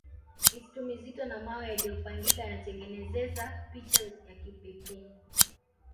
misitu mizito na mawe yaliopangika yanatengezeza picha ya kipekee